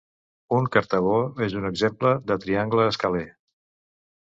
Un cartabó és un exemple de triangle escalè.